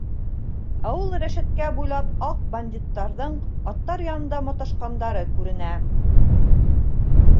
Ә ул рәшәткә буйлап аҡ бандиттарҙың аттар янында маташҡандары күренә.